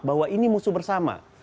bahwa ini musuh bersama